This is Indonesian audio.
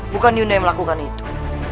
bukan hyunda yang melakukan itu